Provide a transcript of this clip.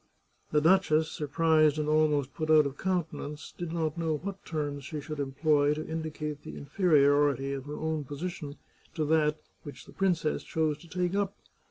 The duchess, surprised and almost put out of countenance, did not know what terms she should employ to indicate the inferiority of her own position to that which the princess chose to take up.